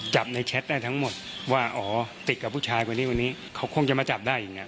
จับในแชทได้ทั้งหมดว่าอ๋อติดกับผู้ชายคนนี้วันนี้เขาคงจะมาจับได้อย่างนี้